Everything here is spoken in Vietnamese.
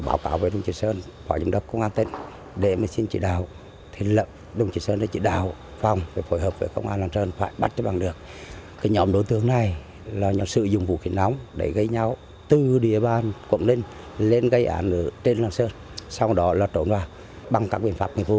bàn giám đốc công an thừa thiên huế đã chỉ đạo phòng cảnh sát truy nã nhanh chóng phối hợp bắt giữ